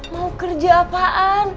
mau kerja apaan